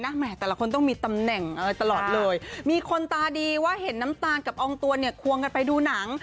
แหมแต่ละคนต้องมีตำแหน่งตลอดเลยมีคนตาดีว่าเห็นน้ำตาลกับอองตวนเนี่ยควงกันไปดูหนัง